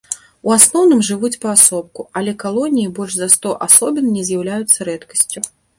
У асноўным жывуць паасобку, але калоніі больш за сто асобін не з'яўляецца рэдкасцю.